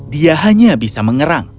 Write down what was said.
dia hanya bisa mengerang